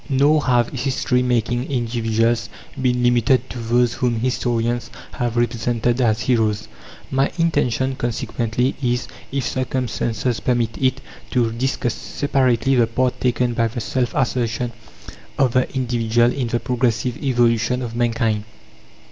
Nor have history making individuals been limited to those whom historians have represented as heroes. My intention, consequently, is, if circumstances permit it, to discuss separately the part taken by the self assertion of the individual in the progressive evolution of mankind.